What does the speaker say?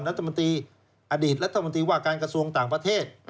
และอดีตรัฐมนตรีว่าการกระทรวงต่างประเทศ